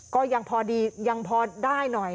ก็ยังพอดียังพอได้หน่อย